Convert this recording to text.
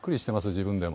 自分でも。